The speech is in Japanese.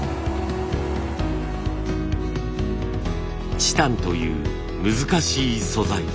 チタンという難しい素材。